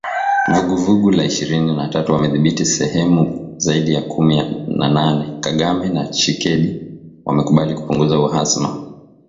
Vuguvugu la Ishirini na tatu wamedhibithi sehemu zaidi ya kumi na nne, Kagame na Tshisekedi wamekubali kupunguza uhasama